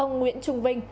ông nguyễn trung vinh